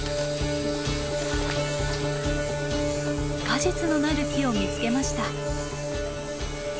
果実のなる木を見つけました。